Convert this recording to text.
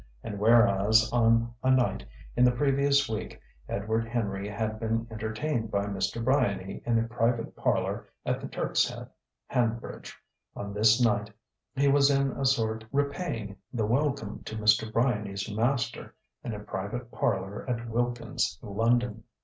And whereas on a night in the previous week Edward Henry had been entertained by Mr. Bryany in a private parlour at the Turk's Head, Hanbridge, on this night he was in a sort repaying the welcome to Mr. Bryany's master in a private parlour at Wilkins's, London.